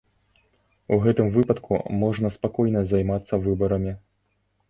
У гэтым выпадку можна спакойна займацца выбарамі.